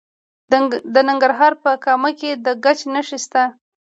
د ننګرهار په کامه کې د ګچ نښې شته.